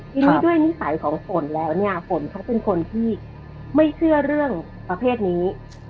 ทีนี้ด้วยนิสัยของฝนแล้วเนี่ยฝนเขาเป็นคนที่ไม่เชื่อเรื่องประเภทนี้